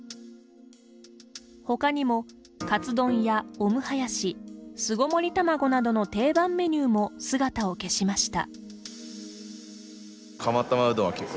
他にも、カツ丼やオムハヤシ巣ごもりたまごなどの定番メニューも姿を消しました。